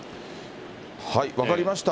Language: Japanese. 分かりました。